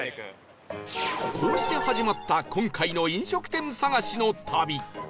こうして始まった今回の飲食店探しの旅